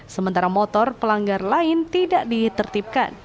sementara motor pelanggar lain tidak ditertibkan